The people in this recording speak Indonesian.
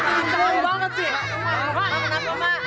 sangat banget sih